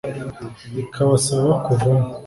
ikabasaba kuvamo